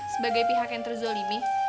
sebagai pihak yang terzolimi